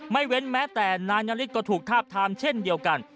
เว้นแม้แต่นายนาริสก็ถูกทาบทามเช่นเดียวกัน